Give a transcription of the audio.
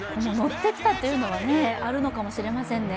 ッてきたというのはあるのかもしれませんね。